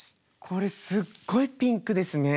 これすっごいピンクですね。